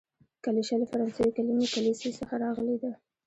کلیشه له فرانسوي کليمې کلیسې څخه راغلې ده.